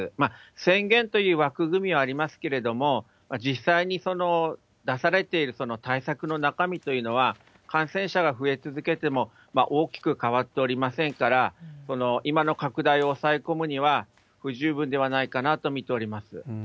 宣言という枠組みはありますけれども、実際にその出されているその対策の中身というのは、感染者が増え続けても大きく変わっておりませんから、今の拡大を抑え込むには不十分ではないかなと見ております。